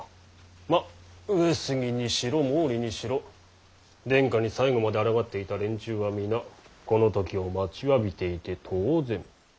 まっ上杉にしろ毛利にしろ殿下に最後まであらがっていた連中は皆この時を待ちわびていて当然。